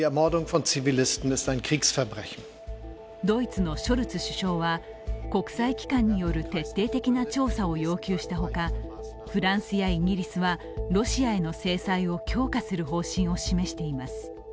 ドイツのショルツ首相は国際機関による徹底的な調査を要求したほかフランスやイギリスはロシアへの制裁を強化する方針を示しています。